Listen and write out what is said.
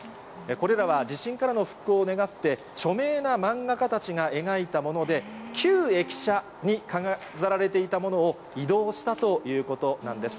これらは、地震からの復興を願って、著名な漫画家たちが描いたもので、旧駅舎に飾られていたものを移動したということなんです。